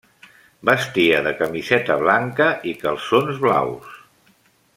Vestia de camiseta blanca i calçons blaus.